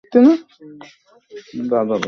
এঁর সহিত আমার পরিচয় পূর্ব হতে।